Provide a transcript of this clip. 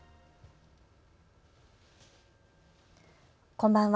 こんばんは。